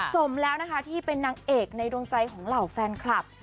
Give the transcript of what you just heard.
สมแล้วนะคะที่เป็นนางเอกในดวงใจของเหล่าแฟนคลับ